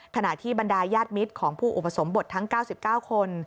ขณะที่บรรดายญาติมิตรของผู้อุปสมบททั้ง๙๙คน